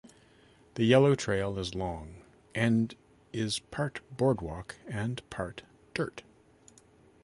The Yellow trail is long and is part boardwalk and part dirt.